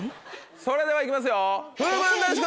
それではいきますよ。